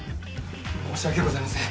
申し訳ございません。